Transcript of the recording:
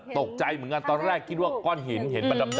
ตกใจเหมือนกันตอนแรกคิดว่าก้อนหินเห็นประดับ